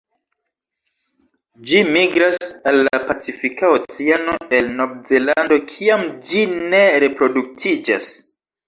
Ĝi migras al la Pacifika Oceano el Novzelando kiam ĝi ne reproduktiĝas.